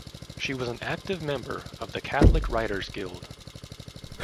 She was an active member of the "Catholic Writers Guild".